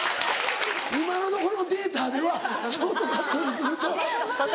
今のとこのデータではショートカット。